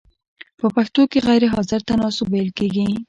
په پښتو کې غیر حاضر ته ناسوب ویل کیږی.